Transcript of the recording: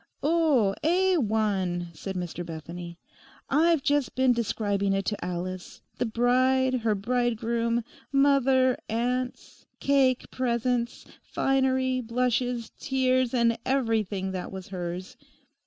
'Oh, A1,' said Mr Bethany. 'I've just been describing it to Alice—the bride, her bridegroom, mother, aunts, cake, presents, finery, blushes, tears, and everything that was hers.